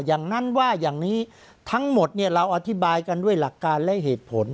อย่างนั้นว่าอย่างนี้ทั้งหมดเนี่ยเราอธิบายกันด้วยหลักการและเหตุผล